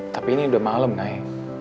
tapi ini udah malem nay